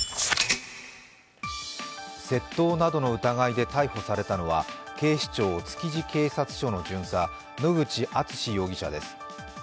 窃盗などの疑いで逮捕されたのは、警視庁・築地警察署の巡査、野口敦史容疑者です。